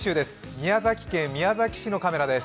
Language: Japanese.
宮崎県宮崎市のカメラです。